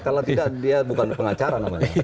karena dia bukan pengacara namanya